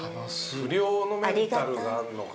不良のメンタルがあんのか。